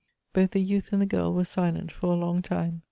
Both the youth and the girl were silent for a long time.